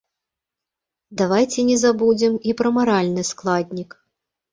Давайце не забудзем і пра маральны складнік.